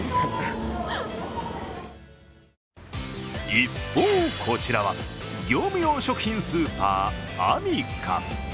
一方、こちらは業務用食品スーパー、アミカ。